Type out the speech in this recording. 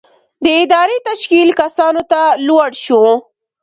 د ادارې تشکیل کسانو ته لوړ شو.